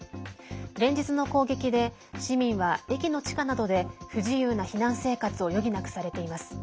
連日の攻撃で市民は駅の地下などで不自由な避難生活を余儀なくされています。